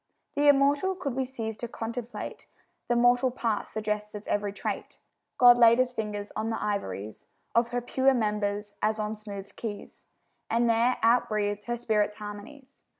The immortal could we cease to contemplate, The mortal part suggests its every trait. God laid His fingers on the ivories Of her pure members as on smoothèd keys, And there out breathed her spirit's harmonies.